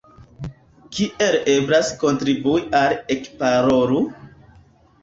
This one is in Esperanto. Kiel eblas kontribui al Ekparolu?